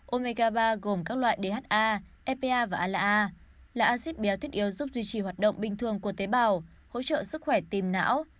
omega ba gồm các loại dha fpa và ala là acid béo thiết yếu giúp duy trì hoạt động bình thường của tế bào hỗ trợ sức khỏe tìm não